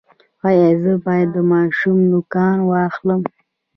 ایا زه باید د ماشوم نوکان واخلم؟